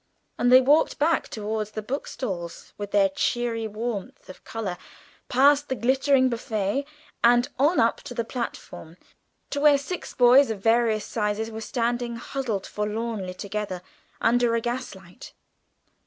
And they walked back towards the book stalls with their cheery warmth of colour, past the glittering buffet, and on up the platform, to a part where six boys of various sizes were standing huddled forlornly together under a gaslight.